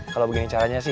kalau begini caranya sih